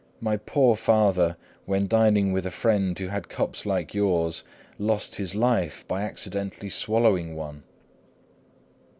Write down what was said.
My poor father, when dining with a friend who had cups like yours, lost his life, by accidentally swallowing one."